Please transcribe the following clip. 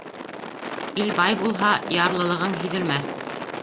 Ил бай булһа, ярлылығың һиҙелмәҫ.